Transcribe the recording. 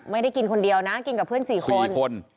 ไม่ได้กินคนเดียวนะกินกับเพื่อน๔คน๔คน